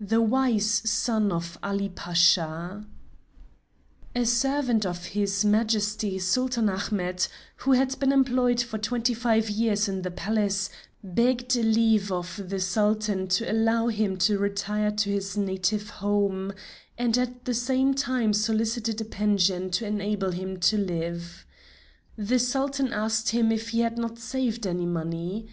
THE WISE SON OF ALI PASHA A servant of his Majesty Sultan Ahmet, who had been employed for twenty five years in the Palace, begged leave of the Sultan to allow him to retire to his native home, and at the same time solicited a pension to enable him to live. The Sultan asked him if he had not saved any money.